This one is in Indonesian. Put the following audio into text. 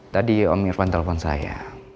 tadi om irfan telpon saya